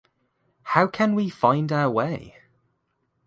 How can we find our way?